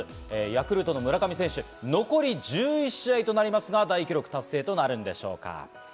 ヤクルトの村上選手、残り１１試合となりますが、大記録達成となるのでしょうか。